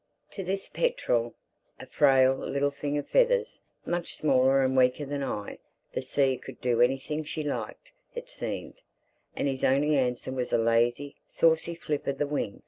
To this petrel, a frail little thing of feathers, much smaller and weaker than I, the Sea could do anything she liked, it seemed; and his only answer was a lazy, saucy flip of the wing!